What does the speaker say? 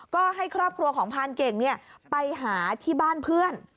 ก็ให้ครอบครัวของพรานเก่งไปหาที่บ้านเพื่อน